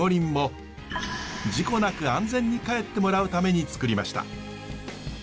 事故なく安全に帰ってもらうためにつくりました。